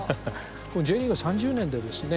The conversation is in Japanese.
Ｊリーグは３０年でですね